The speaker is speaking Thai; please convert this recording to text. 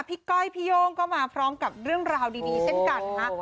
ก้อยพี่โย่งก็มาพร้อมกับเรื่องราวดีเช่นกันนะคะ